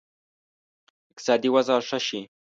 اقتصادي وضع ښه شي.